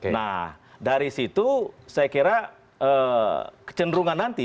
nah dari situ saya kira kecenderungan nanti